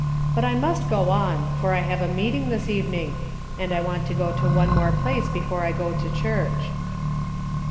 But I must go on, for I have a meeting this evening, and I want to go to one more place before I go to church."